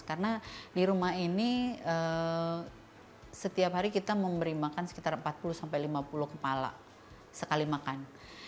karena di rumah ini setiap hari kita mau memberi makan sekitar empat puluh lima puluh kepala sekali makan